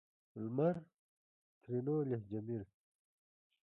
لمر؛ ترينو لهجه مير